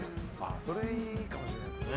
それいいかもしれないですね。